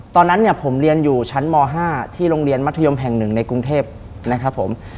ตอนนั้นเนี่ยผมเรียนอยู่ชั้นม๕ที่โรงเรียนมัธยมแห่งหนึ่งในกรุงเทพนะครับผม